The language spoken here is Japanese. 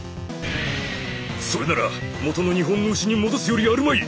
それならもとの日本の牛に戻すよりあるまい！